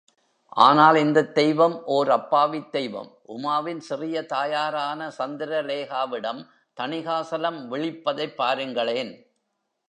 ஆனால் இந்தத் தெய்வம் ஓர் அப்பாவித் தெய்வம். உமாவின் சிறிய தாயாரான சந்திரலேகாவிடம் தணிகாசலம் விழிப்பதைப் பாருங்களேன்!